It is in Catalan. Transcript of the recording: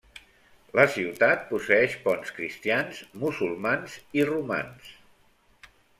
La ciutat posseeix ponts cristians, musulmans i romans.